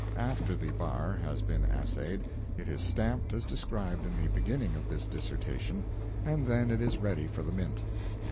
After the bar has been assayed, it is stamped as described in the beginning of this dissertation, and then it is ready for the mint.